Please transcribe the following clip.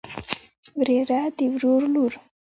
وريره د ورور لور.